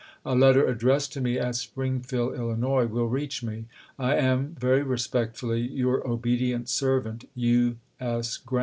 A letter addressed to me at Springfield, lU., will reach me. "Sonui I am, very respectfully, your obedient servant, Meinoirs."